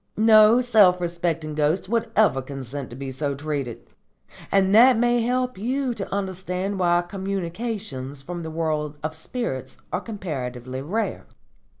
No self respecting ghost would ever consent to be so treated; and that may help you to understand why communications from the world of spirits are comparatively rare.